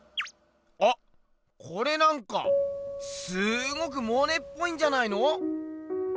あっこれなんかすごくモネっぽいんじゃないの？